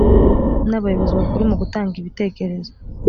n abayobozi bakuru mu gutanga ibitekerezo